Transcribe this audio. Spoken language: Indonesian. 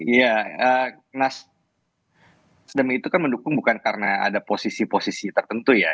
ya nasdem itu kan mendukung bukan karena ada posisi posisi tertentu ya